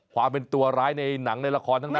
ความเป็นตัวร้ายในหนังในละครทั้งนั้น